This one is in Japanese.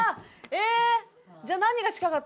えっ